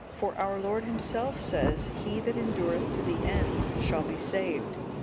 For our Lord Himself says, 'He that endureth to the end shall be saved.